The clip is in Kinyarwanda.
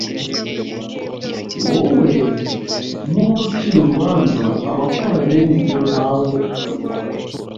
Wowe muntu ucira urubanza abakora bene ibyo nawe ukabikora